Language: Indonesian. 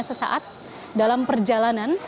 sesaat dalam perjalanan